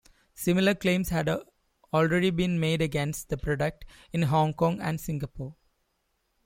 Similar claims had already been made against the product in Hong Kong and Singapore.